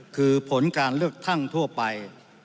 คือผลการเลือกตั้งทั่วไป